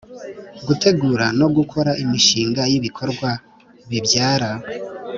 Gutegura no gukora imishinga y ibikorwa bibyara